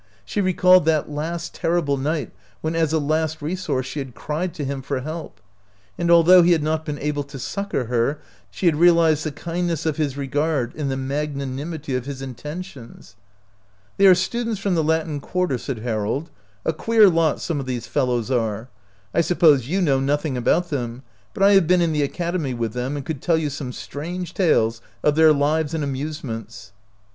She recalled that 78 OUT OF BOHEMIA last terrible night when as a last resource she had cried to him for help ; and although he had not been able to succor her, she had realized the kindness of his regard and the magnanimity of his intentions. " They are students from the Latin Quar ter," said Harold. "A queer lot some of these fellows are. I suppose you know nothing about them ; but I have been in the academy with them, and could tell you some strange tales of their lives and amuse ments."